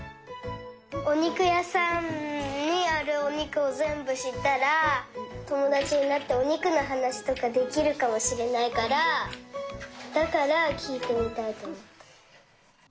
おにくやさんにあるおにくをぜんぶしったらともだちになっておにくのはなしとかできるかもしれないからだからきいてみたいとおもった。